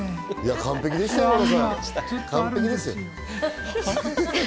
完璧でしたよ！